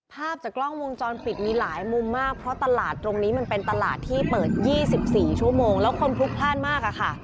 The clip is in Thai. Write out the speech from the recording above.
ภาพจากกล้องวงจรปิดมีหลายมุมมากเพราะตลาดตรงนี้มันเป็นตลาดที่เปิด๒๔ชั่วโมงแล้วคนพลุกพลาดมากอะค่ะ